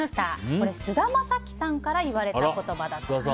これ、菅田将暉さんから言われた言葉だそうです。